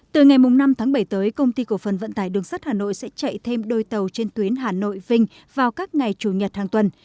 từ ngày năm tháng bảy tới công ty cổ phần vận tải đường sắt hà nội sẽ chạy thêm đôi tàu trên tuyến hà nội vinh vào các ngày chủ nhật hàng tuần